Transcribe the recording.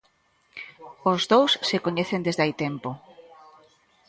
Os dous se coñecen desde hai tempo.